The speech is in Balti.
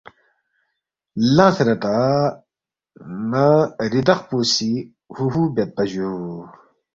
لنگسے نہ تا نہ ریدخ پو سی ہُو ہُو بیدپا یا جُو